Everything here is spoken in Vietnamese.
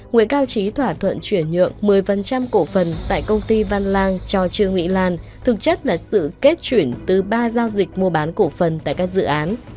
nguyễn cao trí thỏa thuận chuyển nhượng một mươi cổ phần tại công ty văn lang cho trương mỹ lan thực chất là sự kết chuyển từ ba giao dịch mua bán cổ phần tại các dự án